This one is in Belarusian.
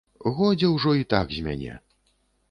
Годзе ўжо і так з мяне.